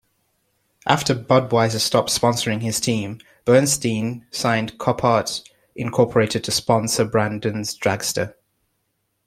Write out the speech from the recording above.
After Budweiser stopped sponsoring his team, Bernstein signed Copart Incorporated to sponsor Brandon's dragster.